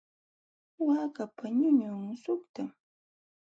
Waakapa ñuñun suqtam.